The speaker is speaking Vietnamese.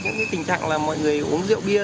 những tình trạng là mọi người uống rượu bia